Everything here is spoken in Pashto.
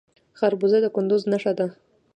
خربوزه د کندز نښه ده.